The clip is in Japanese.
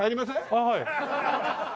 ああはい。